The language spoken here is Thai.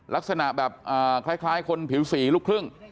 ลักษณะแบบคล้ายคนผิวสีลูกครึ่ง